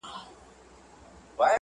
او حتمي بڼه غوره کړې